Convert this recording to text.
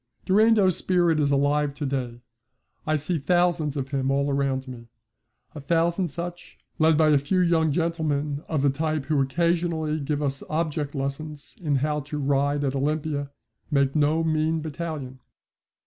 Durando's spirit is alive to day, I see thousands of him all around me. A thousand such, led by a few young gentlemen of the type who occasionally give us object lessons in how to ride at Olympia, make no mean battalion.